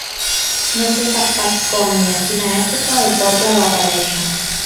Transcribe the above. No se sap pas com, ni a quina època, el poble va aparèixer.